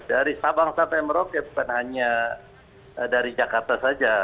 dari sabang sampai merauke bukan hanya dari jakarta saja